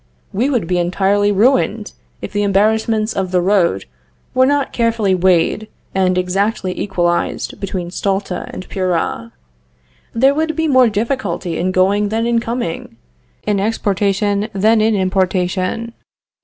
We would be entirely ruined if the embarrassments of the road were not carefully weighed and exactly equalized, between Stulta and Peura. There would be more difficulty in going than in coming; in exportation than in importation.